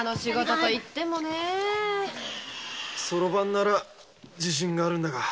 ソロバンなら自信があるんだが。